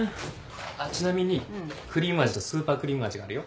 ちなみにクリーム味とスーパークリーム味があるよ。